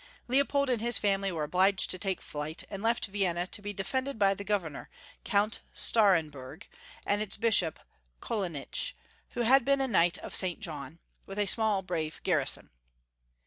Leopold and his family were obliged to take flight, and left Vienna to be defended by the governor. Count Starenburg, and its bishop, Kolonitsch, who had been a Knight of St. John, with a small, brave garrison.